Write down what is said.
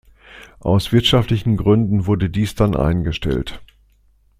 Aus wirtschaftlichen Gründen wurde dies dann eingestellt.